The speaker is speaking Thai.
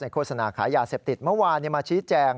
ในโฆษณาขายาเสพติดเมื่อวานเนี่ยมาชี้แจง